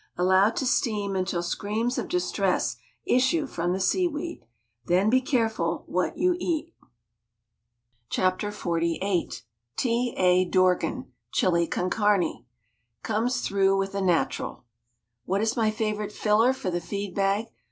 Allow to steam until screams of distress issue from the seaweed; then be careful what you eat! THE STAG COOK BOOK XLVIII T. A, Dorgan CHILI CON CARNE Comes through with a natural What is my favorite filler for the feed bag?